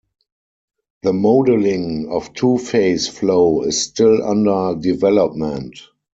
The modeling of two-phase flow is still under development.